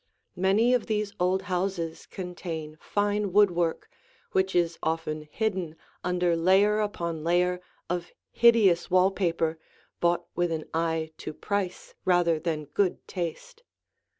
Many of these old houses contain fine woodwork which is often hidden under layer upon layer of hideous wall paper bought with an eye to price rather than good taste.